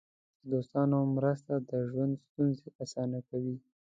د دوستانو مرسته د ژوند ستونزې اسانه کوي.